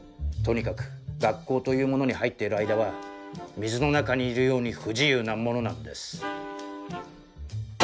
とにかく学校というものに入っている間は水の中にいるように不自由なものなんです。